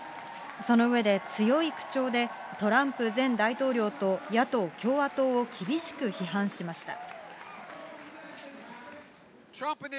その上で、強い口調でトランプ前大統領と野党・共和党を厳しく批判しました。